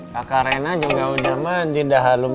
kakak rena juga sudah mandi sudah halum